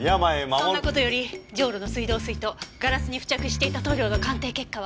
そんな事よりジョウロの水道水とガラスに付着していた塗料の鑑定結果は？